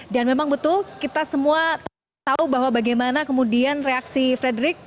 dan memang betul kita semua tahu bahwa bagaimana kemudian reaksi fredrik